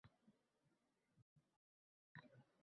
Baxtsizlik avariya bo'lishi mumkin.